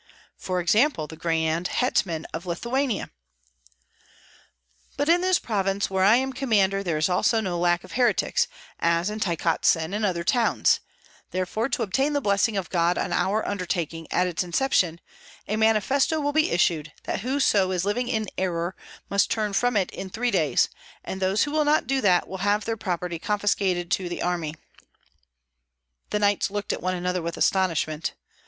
"For example, the grand hetman of Lithuania!" "But in this province, where I am commander, there is also no lack of heretics, as in Tykotsin and other towns; therefore to obtain the blessing of God on our undertaking at its inception, a manifesto will be issued, that whoso is living in error must turn from it in three days, and those who will not do that will have their property confiscated to the army." The knights looked at one another with astonishment.